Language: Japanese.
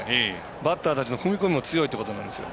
バッターたちの踏み込みも強いということなんです。